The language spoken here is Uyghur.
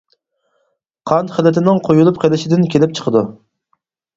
قان خىلىتىنىڭ قويۇلۇپ قېلىشىدىن كېلىپ چىقىدۇ.